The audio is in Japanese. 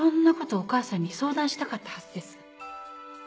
お母さんに相談したかったはずです。